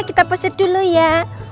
kita pose dulu ya